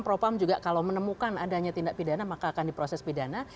propam juga kalau menemukan adanya tindak pidana maka akan diproses pidana